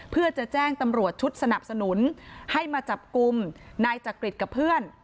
เพื่อจะแจ้งตำรวจชุดสนับสนุนให้มาจับกลุ่มนายจักริตกับเพื่อน